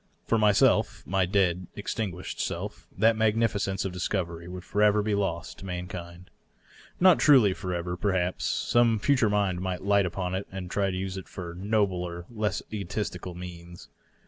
For myself — my dead, extin guished self — that magnificence of discovery would forever be lost to mankind. Not truly forever, perhaps ; some ftiture mind might light upon it and use it to nobler, less egotistic ends.